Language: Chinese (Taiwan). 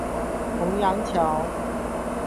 虹揚橋